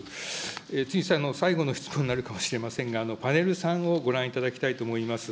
次、最後の質問になるかもしれませんが、パネル３をご覧いただきたいと思います。